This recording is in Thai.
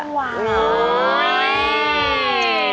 อุ่น